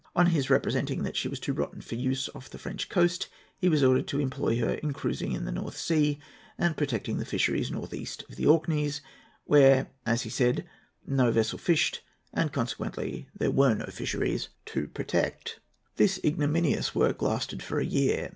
On his representing that she was too rotten for use off the French coast, he was ordered to employ her in cruising in the North Sea and protecting the fisheries north east of the Orkneys, "where," as he said, "no vessel fished, and consequently there were no fisheries to protect." This ignominious work lasted for a year.